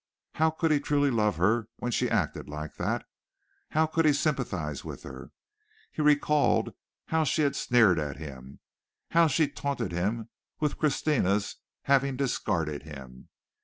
How could he truly love her when she acted like that? How could he sympathize with her? He recalled how she sneered at him how she taunted him with Christina's having discarded him.